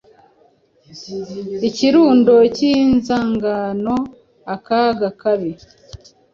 Ikirundo cyinzanganoakaga kabi